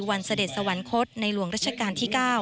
เสด็จสวรรคตในหลวงรัชกาลที่๙